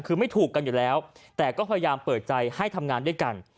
คือไม่ถูกกันอยู่แล้วแต่ก็พยายามเปิดใจให้ทำงานด้วยกัน